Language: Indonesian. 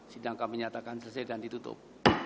sidang kami nyatakan selesai dan ditutup